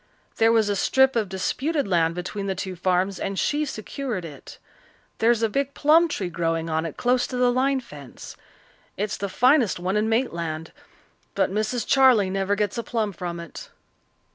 There was a strip of disputed land between the two farms, and she secured it. There's a big plum tree growing on it close to the line fence. It's the finest one in Maitland. But Mrs. Charley never gets a plum from it."